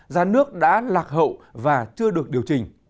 giá nước đã lạc hậu và chưa được điều chỉnh